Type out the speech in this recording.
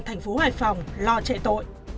thành phố hoài phòng lo chạy tội